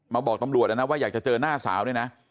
บอกตำรวจนะว่าอยากจะเจอหน้าสาวเนี่ยนะ